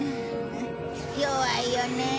弱いよねえ。